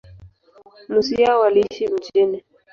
Nusu yao waliishi mjini.